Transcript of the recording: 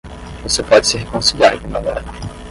Você pode se reconciliar com a galera.